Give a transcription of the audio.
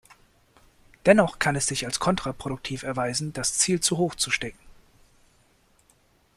Dennoch kann es sich als kontraproduktiv erweisen, das Ziel zu hoch zu stecken.